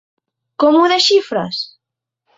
Como ho desxifres?